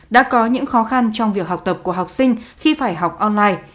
đã có những khó khăn trong việc học tập của học sinh khi phải học online